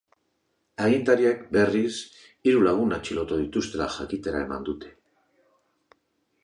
Agintariek, berriz, hiru lagun atxilotu dituztela jakitera eman dute.